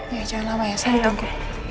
jangan lama ya saya ditunggu